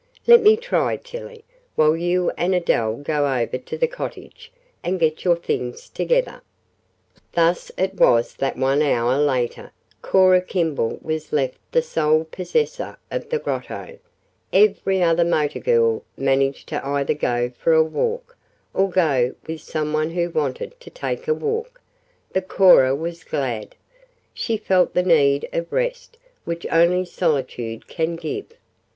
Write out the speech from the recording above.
Let me try, Tillie, while you and Adele go over to the cottage and get your things together." Thus it was that one hour later Cora Kimball was left the sole possessor of the Grotto; every other motor girl managed to either go for a walk, or go with some one who wanted to take a walk, but Cora was glad she felt the need of rest which only solitude can give.